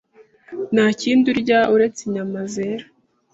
nta kindi urya uretse inyama zera.